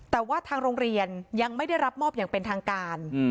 แต่ว่าทางโรงเรียนยังไม่ได้รับมอบอย่างเป็นทางการ